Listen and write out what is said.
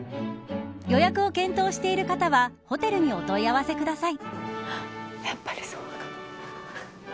予約を検討している方はホテルにお問い合わせください。